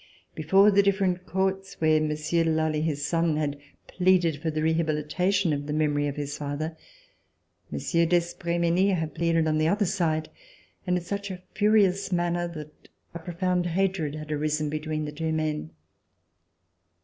Before the different courts where Monsieur de Lally, his son, had pleaded for the rehabilitation of the memory of his father, Monsieur d'Espremenil had pleaded on the other side and in such a furious manner that a EVE OF THE REVOLUTION profound hatred had arisen between the two men.